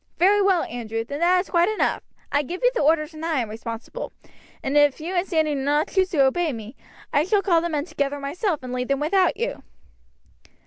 "Very well, Andrew, then that is quite enough. I give you the orders and I am responsible, and if you and Sandy do not choose to obey me, I shall call the men together myself and lead them without you."